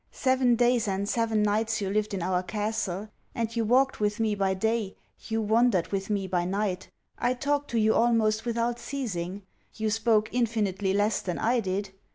Seven days and seven nights you lived in our castle; and you walked with me by day, you wandered with me by night. I talked to you almost without ceasing. You spoke infinitely less than I did.